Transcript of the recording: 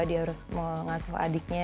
dia harus mengasuh adiknya